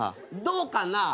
どうかな？